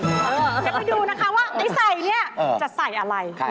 เดี๋ยวไปดูนะคะว่าไอ้ใส่เนี่ยจะใส่อะไร